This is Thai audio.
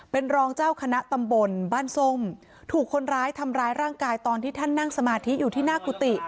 เป็นรองเจ้าคณะตำบลบ้านส้มถูกคนร้ายทำร้ายร่างกายตอนที่ท่านนั่งสมาธิอยู่ที่หน้ากุฏิ